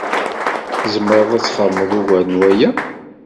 Tzemreḍ ad txedmeḍ ugar n waya?